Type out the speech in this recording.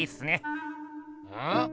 うん？